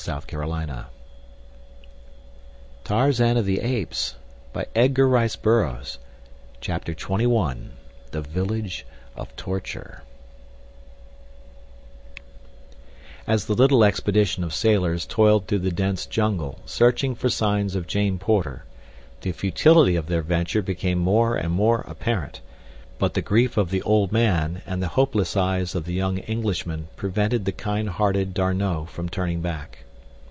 But come, tell me all that has happened to you." CHAPTER XXI. The Village of Torture As the little expedition of sailors toiled through the dense jungle searching for signs of Jane Porter, the futility of their venture became more and more apparent, but the grief of the old man and the hopeless eyes of the young Englishman prevented the kind hearted D'Arnot from turning back.